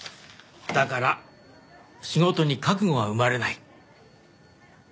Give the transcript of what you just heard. だから仕事に覚悟が生まれない。